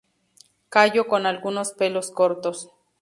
Callo con algunos pelos cortos.